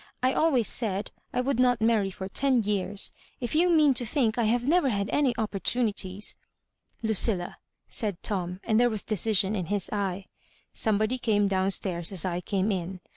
I always said, I would not mar ry for ten years. If you mean to tibink I have never had any Opportunities ^"" Ludlla," said Tom, and there was dedsion in his eye, "somebody came down stairs as I came in.